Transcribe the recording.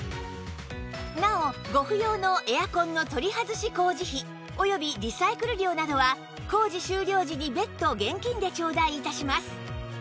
なおご不要のエアコンの取り外し工事費及びリサイクル料などは工事終了時に別途現金でちょうだい致します